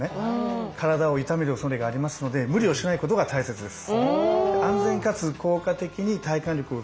体を痛める恐れがありますので無理をしないことが大切です。